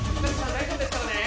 大丈夫ですからね！